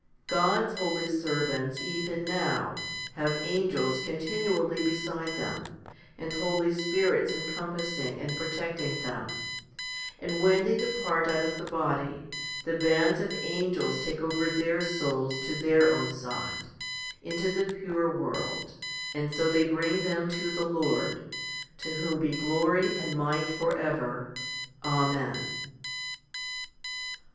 God's holy servants even now have angels continually beside them, and holy spirits encompassing and protecting them ; and when they depart out of the body, the bands of angels take over their souls to their own side, into the pure world, and so they bring them to the Lord ; to whom be glory and might for ever. Amen.